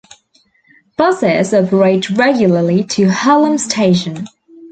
Buses operate regularly to Hallam station.